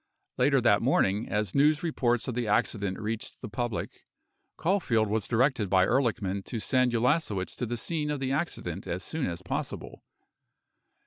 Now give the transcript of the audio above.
Later that morning, as news reports of the accident reached the public, Caulfield was directed by Ehrlichman to send Ulasewicz to the scene of the accident as soon as possible.